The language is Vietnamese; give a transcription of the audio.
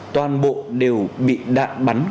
toàn bộ đều bị đạn bắn